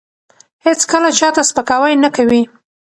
هیڅکله چا ته سپکاوی نه کوي.